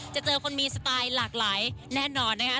เจอคนมีสไตล์หลากหลายแน่นอนนะคะ